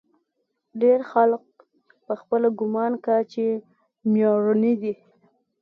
ډېر خلق پخپله ګومان کا چې مېړني دي.